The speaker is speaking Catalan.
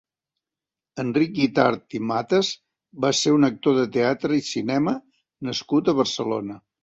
Enric Guitart i Matas va ser un actor de teatre i cinema nascut a Barcelona.